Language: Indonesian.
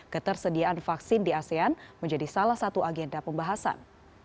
ketersediaan vaksin di asean menjadi salah satu agenda pembahasan